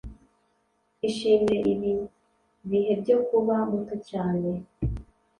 ishimire ibi bihe byo kuba muto cyane ..